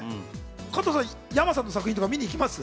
加藤さん、山さんの作品とか見に行きます？